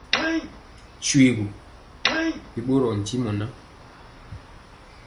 Shoégu, bi ɓorɔɔ ntimɔ ŋan.